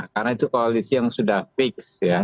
karena itu koalisi yang sudah fix